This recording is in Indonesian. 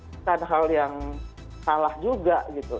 bukan hal yang salah juga gitu